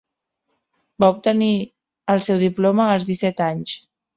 Va obtenir el seu diploma als disset anys.